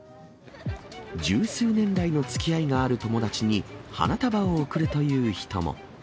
十数年来のつきあいがある友達に花束を贈るという人も。